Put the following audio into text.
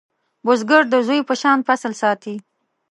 بزګر د زوی په شان فصل ساتي